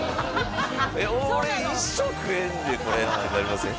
俺一生食えんでこれってなりません？